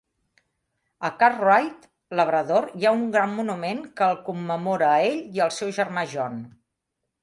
A Cartwright, Labrador, hi ha un gran monument que el commemora a ell i al seu germà John.